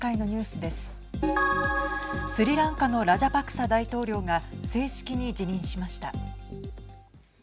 スリランカのラジャパクサ大統領が正式に辞任しました。